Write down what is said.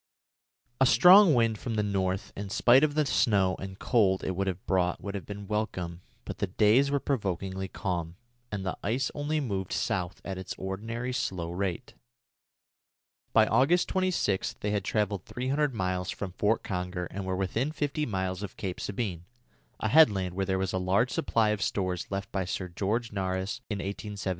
A strong wind from the north, in spite of the snow and cold it would have brought, would have been welcome; but the days were provokingly calm, and the ice only moved south at its ordinary slow rate. By August 26 they had travelled 300 miles from Fort Conger and were within fifty miles of Cape Sabine, a headland where there was a large supply of stores left by Sir George Nares in 1876.